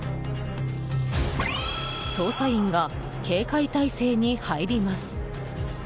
捜査員が警戒態勢に入ります。